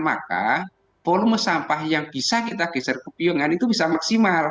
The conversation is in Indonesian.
maka volume sampah yang bisa kita geser ke piungan itu bisa maksimal